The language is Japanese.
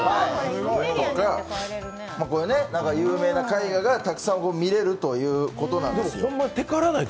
有名な絵画がたくさん見れるということなんです。